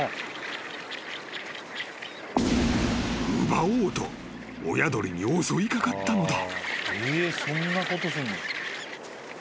［奪おうと親鳥に襲い掛かったのだ］